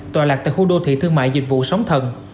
tòa lạc tại khu đô thị thương mại dịch vụ sống thần